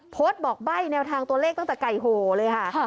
บอกใบ้แนวทางตัวเลขตั้งแต่ไก่โหเลยค่ะ